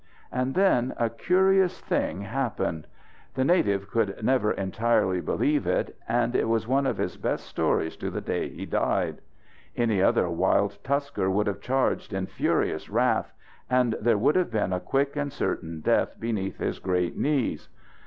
And then a curious thing happened. The native could never entirely believe it, and it was one of his best stories to the day he died. Any other wild tusker would have charged in furious wrath, and there would have been a quick and certain death beneath his great knees.